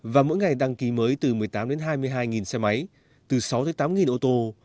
và mỗi ngày đăng ký mới từ một mươi tám hai mươi hai nghìn xe máy từ sáu tám nghìn ô tô